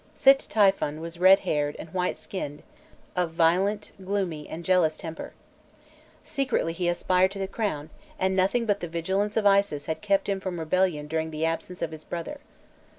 Sît Typhon was red haired and white skinned, of violent, gloomy, and jealous temper.[*] Secretly he aspired to the crown, and nothing but the vigilance of Isis had kept him from rebellion during the absence of his brother.